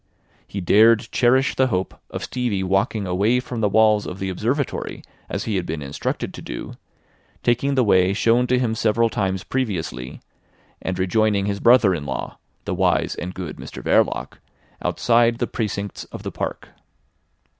He dared cherish the hope of Stevie walking away from the walls of the Observatory as he had been instructed to do, taking the way shown to him several times previously, and rejoining his brother in law, the wise and good Mr Verloc, outside the precincts of the park.